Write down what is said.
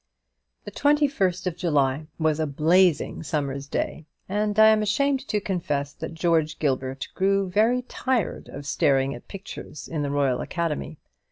The 21st of July was a blazing summer's day, and I am ashamed to confess that George Gilbert grew very tired of staring at the pictures in the Royal Academy.